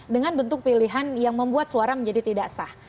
dengan bentuk pilihan yang membuat suara menjadi tidak sah